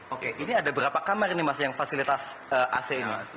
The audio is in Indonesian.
oke ini ada berapa kamar nih mas yang fasilitas ac ini mas